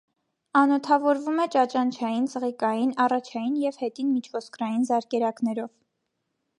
Անոթավորվում է ճաճանչային, ծղիկային, առաջային և հետին միջոսկրային զարկերակներով։